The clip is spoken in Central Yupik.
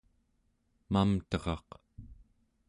mamteraq